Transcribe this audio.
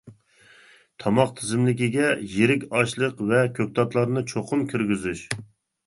تاماق تىزىملىكىگە يىرىك ئاشلىق ۋە كۆكتاتلارنى چوقۇم كىرگۈزۈش.